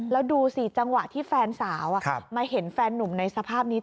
แล้วดูสิจังหวะที่แฟนสาวมาเห็นแฟนนุ่มในสภาพนี้